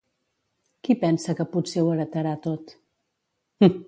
Qui pensa que potser ho heretarà tot?